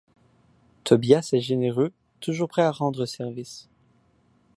Tobias est généreux, toujours prêt à rendre service.